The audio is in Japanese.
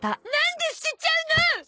なんで捨てちゃうの！？